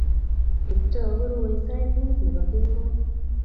Kiptoo korue sait mut nebo kemboi